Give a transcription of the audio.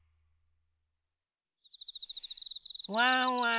・ワンワン